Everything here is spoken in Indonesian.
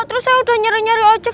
terus saya udah nyari nyari ojek